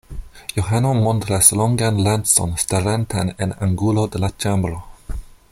Johano montras longan lancon starantan en angulo de la ĉambro.